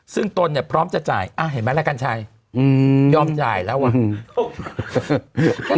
ซึ่งตนเนี่ยพร้อมจะจ่ายเห็นไหมล่ะกัญชัยยอมจ่ายแล้วว่ะ